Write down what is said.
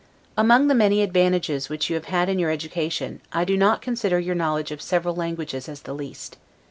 Among the many advantages which you have had in your education, I do not consider your knowledge of several languages as the least.